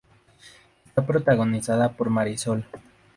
Está protagonizada por Marisol.